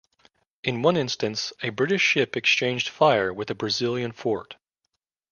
In one instance, a British ship exchanged fire with a Brazilian fort.